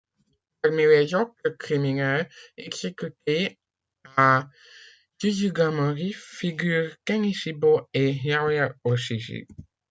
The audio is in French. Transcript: Parmi les autres criminels exécutés à Suzugamori figurent Ten'ichi-bō et Yaoya Oshichi.